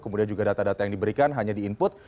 kemudian juga data data yang diberikan hanya di input